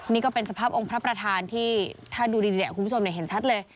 นี่ก็เป็นสภาพองค์พระประธานที่ถ้าดูดีคุณผู้ชมเห็นชัดเลย